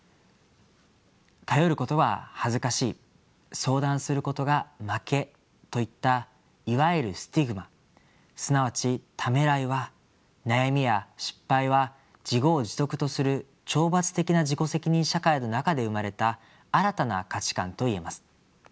頼ることは恥ずかしい相談することが負けといったいわゆるスティグマすなわちためらいは悩みや失敗は自業自得とする懲罰的な自己責任社会の中で生まれた新たな価値観と言えます。